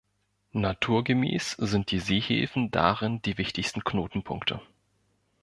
Naturgemäß sind die Seehäfen darin die wichtigsten Knotenpunkte.